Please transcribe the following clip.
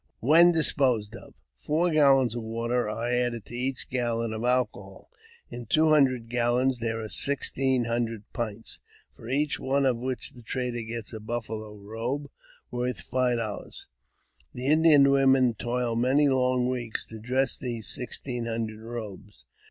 When disposed of, four gallons of water are added to each gallon of alcohol. In two hundred gallons there are six teen hundred pints, for each one of which the trader gets a buffalo robe worth five dollars ! The Indian women toil many long weeks to dress these sixteen hundred robes.